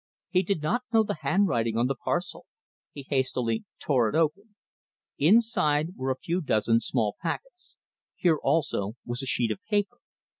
He did not know the handwriting on the parcel; he hastily tore it open. Inside were a few dozen small packets. Here also was a sheet of paper.